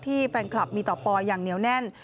แฟนคลับมีต่อปอยอย่างเหนียวแน่น